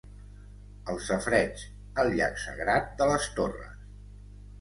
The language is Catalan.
El safareig! El llac sagrat de les torres!